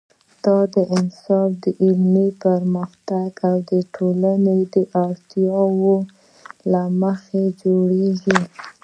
دا نصاب د علمي پرمختګ او ټولنې د اړتیاوو له مخې جوړیږي.